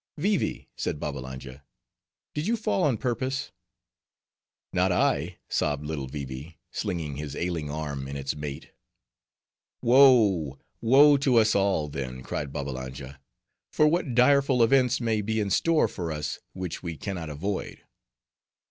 "Vee Vee," said Babbalanja, "did you fall on purpose?" "Not I," sobbed little Vee Vee, slinging his ailing arm in its mate. "Woe! woe to us all, then," cried Babbalanja; "for what direful events may be in store for us which we can not avoid."